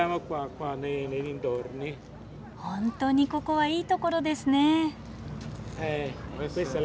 本当にここはいい所ですね。